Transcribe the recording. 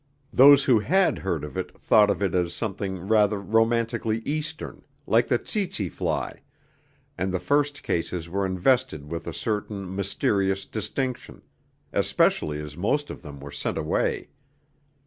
Those who had heard of it thought of it as something rather romantically Eastern, like the tsetse fly, and the first cases were invested with a certain mysterious distinction especially as most of them were sent away.